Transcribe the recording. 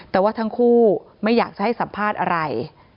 แต่ว่าทั้งคู่ไม่อยากจะให้สัมภาษณ์อะไร